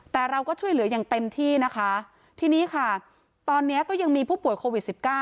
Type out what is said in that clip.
แต่เราก็ช่วยเหลืออย่างเต็มที่นะคะทีนี้ค่ะตอนนี้ก็ยังมีผู้ป่วยโควิด๑๙